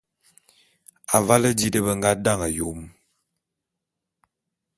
Avale di nde be nga dane Yom.